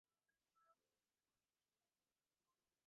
দেখ, বুঝেছিস?